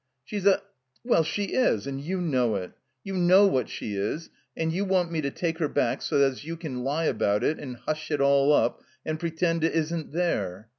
"She's a — Well, she is, and you know it. You know what she is, and you want me to take her back so as you can lie about it and hush it all up and pre tend it isn't there.